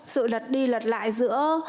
sự lật đi lật lại giữa